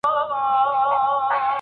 خالقه بيا به له هندارو سره څه کومه